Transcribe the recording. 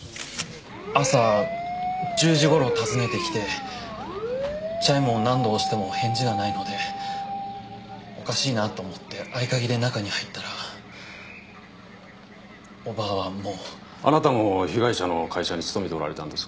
朝１０時頃訪ねてきてチャイムを何度押しても返事がないのでおかしいなと思って合鍵で中に入ったらおばはもうあなたも被害者の会社に勤めておられたんですか？